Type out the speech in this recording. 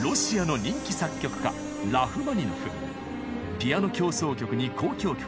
ピアノ協奏曲に交響曲。